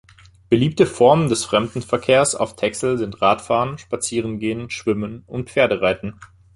Beliebte Formen des Fremdenverkehrs auf Texel sind Radfahren, Spazierengehen, Schwimmen und Pferdereiten.